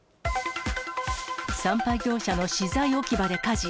産廃業者の資材置き場で火事。